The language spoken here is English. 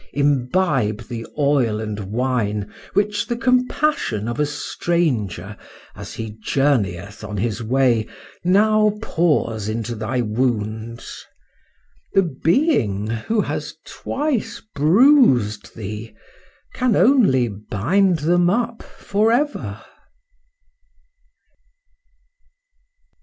—Imbibe the oil and wine which the compassion of a stranger, as he journeyeth on his way, now pours into thy wounds;—the Being, who has twice bruised thee, can only bind them up for ever.